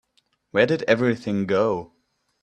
Where did everything go?